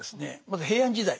まず平安時代。